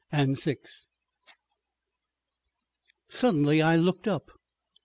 § 5 Suddenly I looked up.